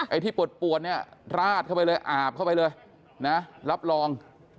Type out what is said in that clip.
ไอ้ที่ปวดปวดเนี่ยราดเข้าไปเลยอาบเข้าไปเลยนะรับรอง